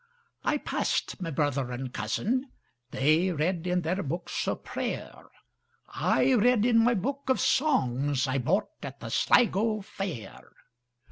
I passed my brother and cousin:They read in their books of prayer;I read in my book of songsI bought at the Sligo fair.